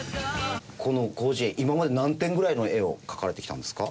この『広辞苑』今まで何点ぐらいの絵を描かれてきたんですか？